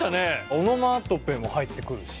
オノマトペも入ってくるし。